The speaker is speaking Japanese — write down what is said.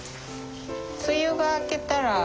梅雨が明けたら。